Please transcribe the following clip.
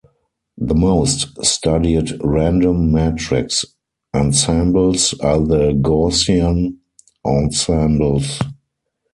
The most studied random matrix ensembles are the Gaussian ensembles.